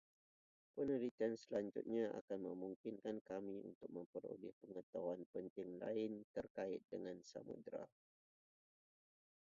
Penelitian selanjutnya akan memungkinkan kami untuk memperoleh pengetahuan penting lain terkait dengan samudra.